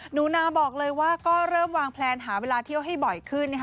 หนูนาบอกเลยว่าก็เริ่มวางแพลนหาเวลาเที่ยวให้บ่อยขึ้น